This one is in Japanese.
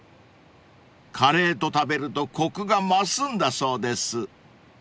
［カレーと食べるとコクが増すんだそうです］